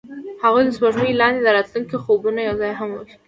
هغوی د سپوږمۍ لاندې د راتلونکي خوبونه یوځای هم وویشل.